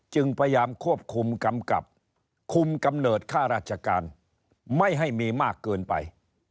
จึงพยายามควบคุมกำกับคุมกำเนิดค่าราชการไม่ให้มีมากเกินไป